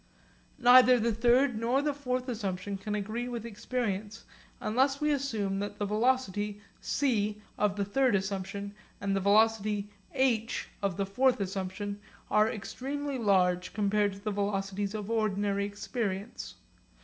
Neither the third nor the fourth assumption can agree with experience unless we assume that the velocity c of the third assumption, and the velocity h of the fourth assumption, are extremely large compared to the velocities of ordinary experience.